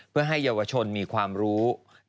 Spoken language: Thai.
เพื่อให้เยาวชนมีความรู้